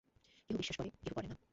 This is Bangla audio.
কেহ বিশ্বাস করে, কেহ করে না।